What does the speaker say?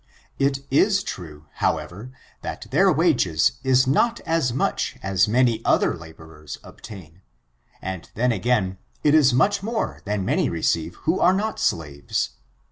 It is true, however, that their wages is not as much as many other laborers obtain, and then again, it is much more than many receive who are not slaves.